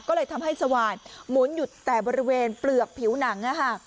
ก็เลยทำให้สว่านหมุนอยู่แต่บริเวณเปลือกผิวหนัง